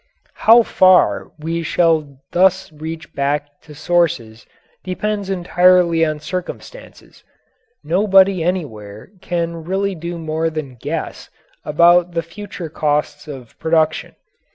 How far we shall thus reach back to sources depends entirely on circumstances. Nobody anywhere can really do more than guess about the future costs of production.